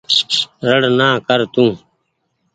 ۯڙ نآ ڪر تو۔